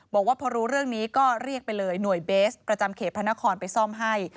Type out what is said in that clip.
บอกว่าพอรู้เรื่องนี้ก็เรียกไปเลยหน่วยเบสประจำเขตพระนครไปซ่อมให้